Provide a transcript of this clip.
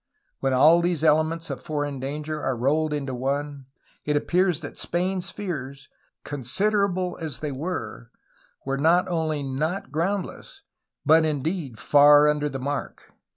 When all these elements of foreign danger are rolled into one it appears that Spain's fears, considerable as they were, were not only not groundless but indeed far under the mark.